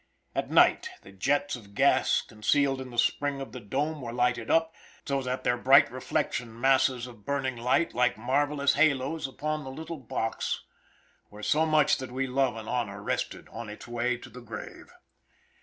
At night the jets of gas concealed in the spring of the dome were lighted up, so that their bright reflection masses of burning light, like marvelous haloes, upon the little box where so much that we love and honor rested on its way to the grave.